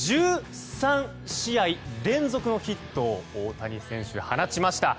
１３試合連続のヒットを大谷選手が放ちました。